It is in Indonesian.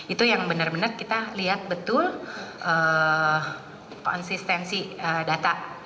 itu yang benar benar kita lihat betul konsistensi data